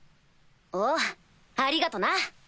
おうありがとな。